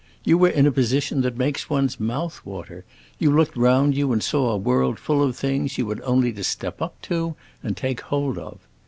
You were in a position that makes one's mouth water; you looked round you and saw a world full of things you had only to step up to and take hold of.